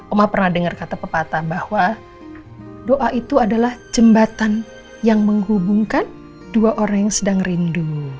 oma pernah dengar kata pepatah bahwa doa itu adalah jembatan yang menghubungkan dua orang yang sedang rindu